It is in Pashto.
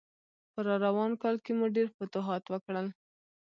په راروان کال کې مو ډېر فتوحات وکړل.